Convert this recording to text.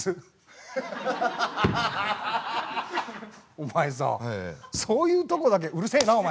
お前さそういうとこだけうるせえなお前。